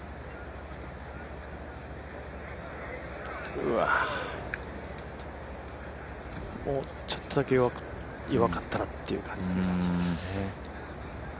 うわもうちょっとだけ弱かったらという感じがありますね。